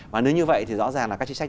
và nếu như vậy thì rõ ràng là các chính sách